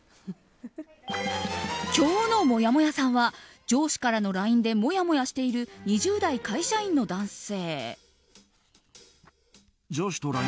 今日のもやもやさんは上司からのＬＩＮＥでもやもやしている２０代会社員の男性。